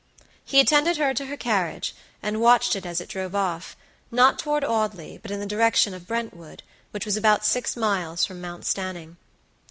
He attended her to her carriage, and watched it as it drove off, not toward Audley, but in the direction of Brentwood, which was about six miles from Mount Stanning.